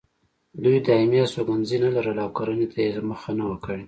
دوی دایمي استوګنځي نه لرل او کرنې ته یې مخه نه وه کړې.